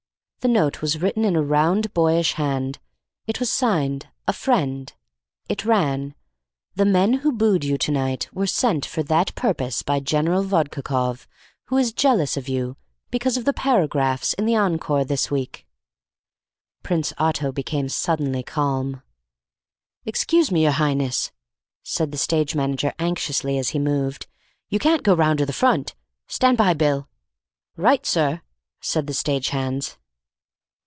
The note was written in a round, boyish hand. It was signed, "A Friend." It ran: "The men who booed you to night were sent for that purpose by General Vodkakoff, who is jealous of you because of the paragraphs in the Encore this week." Prince Otto became suddenly calm. "Excuse me, your Highness," said the stage manager anxiously, as he moved, "you can't go round to the front. Stand by, Bill." "Right, sir!" said the stage hands.